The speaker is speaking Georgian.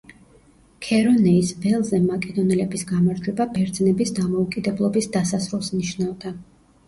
ქერონეის ველზე მაკედონელების გამარჯვება ბერძნების დამოუკიდებლობის დასასრულს ნიშნავდა.